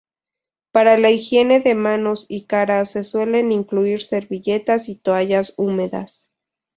Para la higiene de manos y cara se suelen incluir servilletas y toallas húmedas.